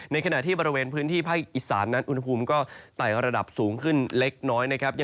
ในขณะที่ในภาคอิตสานนะอุณหภูมิก็เราแต่ระดับสูงขึ้นเล็กน้อย